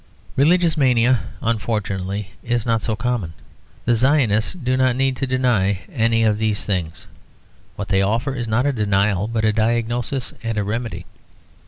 Religious mania, unfortunately, is not so common. The Zionists do not need to deny any of these things; what they offer is not a denial but a diagnosis and a remedy.